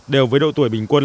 đều với độ tuổi bình quân